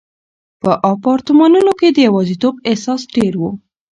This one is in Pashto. په اپارتمانونو کې د یوازیتوب احساس ډېر و.